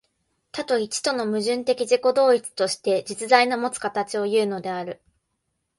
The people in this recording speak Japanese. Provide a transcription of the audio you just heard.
多と一との矛盾的自己同一として、実在のもつ形をいうのである。